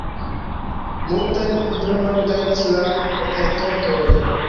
Multajn voĉdonojn gajnis la hotentotoj.